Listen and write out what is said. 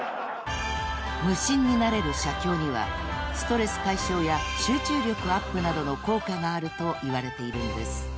［無心になれる写経にはストレス解消や集中力アップなどの効果があるといわれているんです］